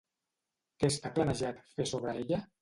Què està planejat fer sobre ella?